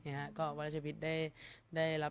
สงฆาตเจริญสงฆาตเจริญ